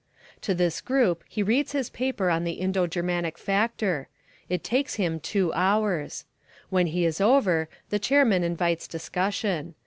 To this group he reads his paper on the Indo Germanic Factor. It takes him two hours. When he is over the chairman invites discussion.